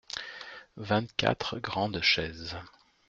Vingt-quatre grandes chaises.